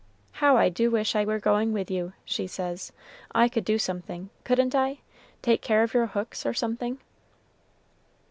"How I do wish I were going with you!" she says. "I could do something, couldn't I take care of your hooks, or something?"